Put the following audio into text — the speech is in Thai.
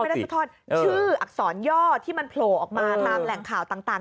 ได้สุดทอดชื่ออักษรย่อที่มันโผล่ออกมาตามแหล่งข่าวต่าง